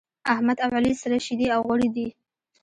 احمد او علي سره شيدې او غوړي دی.